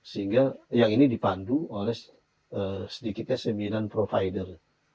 sehingga yang ini dipandu oleh sedikitnya sembilan provider